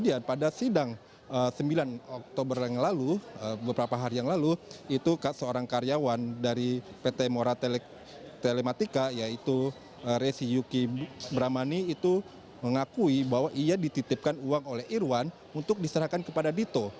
dan pada sidang sembilan oktober yang lalu beberapa hari yang lalu itu seorang karyawan dari pt mora telematika yaitu resi yuki bramani itu mengakui bahwa ia dititipkan uang oleh irwan untuk diserahkan kepada dito